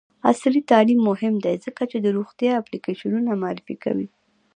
عصري تعلیم مهم دی ځکه چې د روغتیا اپلیکیشنونه معرفي کوي.